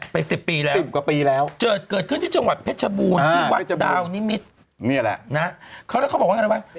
ไป๑๐ปีแล้วเจิดเกิดขึ้นที่จังหวัดเพชรบูรณ์ที่หวัดดาวนิมิตรนะครับเขาบอกว่าอย่างนั้นไว้